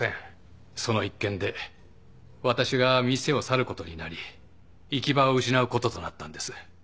その一件で私が店を去ることになり行き場を失うこととなったんです。